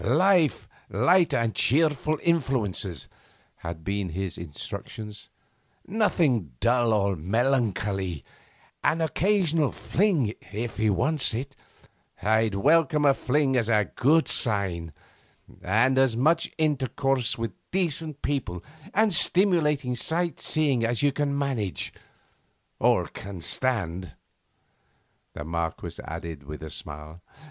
'Life, light and cheerful influences,' had been his instructions, 'nothing dull or melancholy; an occasional fling, if he wants it I'd welcome a fling as a good sign and as much intercourse with decent people, and stimulating sight seeing as you can manage or can stand,' the Marquess added with a smile.